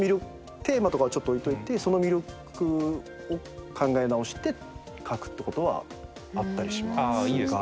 テーマとかはちょっと置いといてその魅力を考え直して書くってことはあったりしますが。